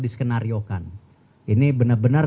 diskenariokan ini benar benar